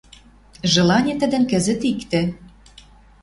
Желани тӹдӹн кӹзӹт иктӹ —